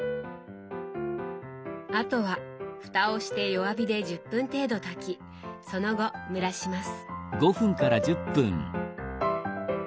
あとはふたをして弱火で１０分程度炊きその後蒸らします。